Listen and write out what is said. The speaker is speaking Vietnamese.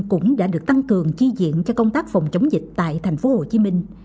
cũng đã được tăng cường chi diện cho công tác phòng chống dịch tại thành phố hồ chí minh